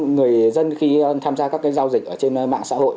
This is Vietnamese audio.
người dân khi tham gia các giao dịch ở trên mạng xã hội